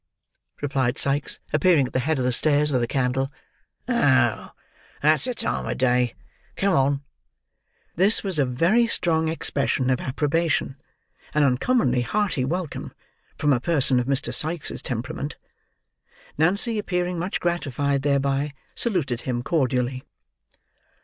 replied Sikes: appearing at the head of the stairs, with a candle. "Oh! That's the time of day. Come on!" This was a very strong expression of approbation, an uncommonly hearty welcome, from a person of Mr. Sikes' temperament. Nancy, appearing much gratified thereby, saluted him cordially.